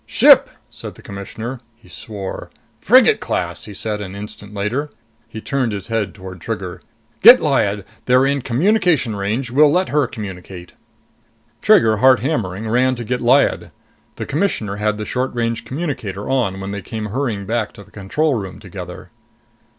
"Ship!" said the Commissioner. He swore. "Frigate class," he said an instant later. He turned his head toward Trigger. "Get Lyad! They're in communication range. We'll let her communicate." Trigger, heart hammering, ran to get Lyad. The Commissioner had the short range communicator on when they came hurrying back to the control room together.